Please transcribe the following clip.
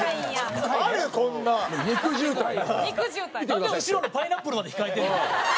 なんで後ろにパイナップルまで控えてるの？